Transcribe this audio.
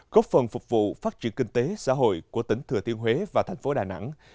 góp phần phục vụ phát triển kinh tế xã hội của tỉnh thừa thiên huế và thành phố đà nẵng